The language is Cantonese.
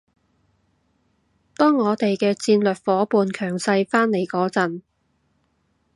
當我哋嘅戰略夥伴強勢返嚟嗰陣